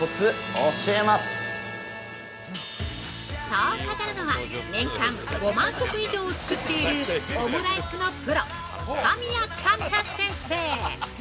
◆そう語るのは、年間５万食以上を作っているオムライスのプロ、神谷勘太先生。